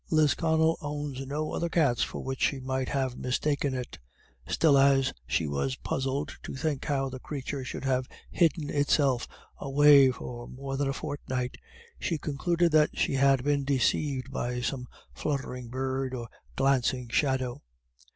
Lisconnel owns no other cats for which she might have mistaken it; still, as she was puzzled to think how the creature should have hidden itself away for more than a fortnight, she concluded that she had been deceived by some fluttering bird or glancing shadow.